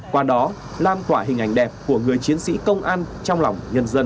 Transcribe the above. qua đó làm quả hình ảnh đẹp của người chiến sĩ công an trong lòng nhân dân